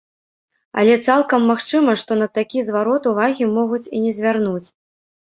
Але цалкам магчыма, што на такі зварот увагі могуць і не звярнуць.